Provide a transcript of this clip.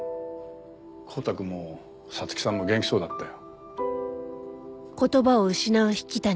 光太くんも皐月さんも元気そうだったよ。